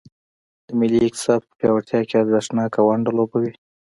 د ملي اقتصاد په پیاوړتیا کې ارزښتناکه ونډه لوبوي.